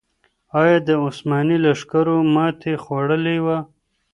آیا د عثماني لښکرو ماتې خوړلې وه؟